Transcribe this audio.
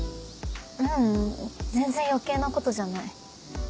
ううん全然余計なことじゃない。